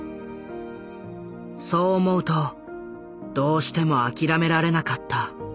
そう思うとどうしても諦められなかった。